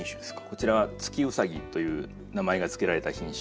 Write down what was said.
こちらは「月うさぎ」という名前が付けられた品種。